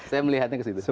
saya melihatnya ke situ